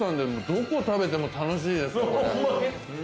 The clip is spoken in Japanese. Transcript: どこ食べても楽しいですね！